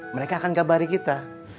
mereka akan gabari kita